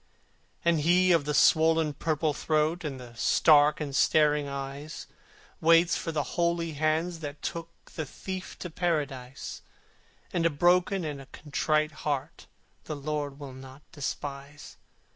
And he of the swollen purple throat, And the stark and staring eyes, Waits for the holy hands that took The Thief to Paradise; And a broken and a contrite heart The Lord will not despise.